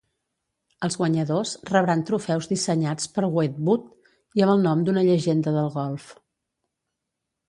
Els guanyadors rebran trofeus dissenyats per Wedgwood i amb el nom d'una llegenda del golf.